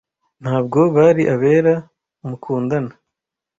ntabwo bari abera mukundana